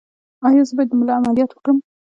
ایا زه باید د ملا عملیات وکړم؟